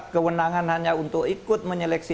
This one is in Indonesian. kewenangan hanya untuk ikut menyeleksi